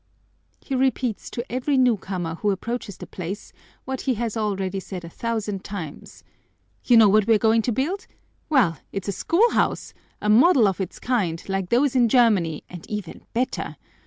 He repeats to every newcomer who approaches the place what he has already said a thousand times: "You know what we're going to build? Well, it's a schoolhouse, a model of its kind, like those in Germany, and even better.